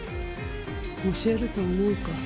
教えると思うか？